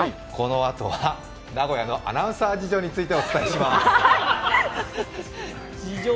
このあとは名古屋のアナウンサー事情についてお伝えします。